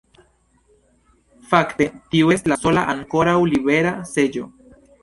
Fakte tiu estis la sola ankoraŭ libera seĝo.